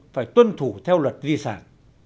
phải tuân thủ theo luật di sản